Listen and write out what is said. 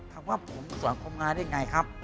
ถามว่าผมสอนคมงาได้ไงครับ